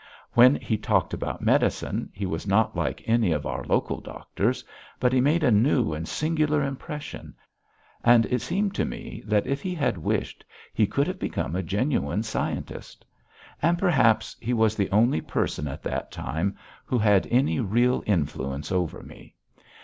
When he talked about medicine, he was not like any of our local doctors, but he made a new and singular impression, and it seemed to me that if he had wished he could have become a genuine scientist. And perhaps he was the only person at that time who had any real influence over me.